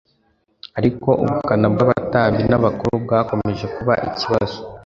ariko ubukana bw'abatambyi n'abakuru bwakomeje kuba ikibazo.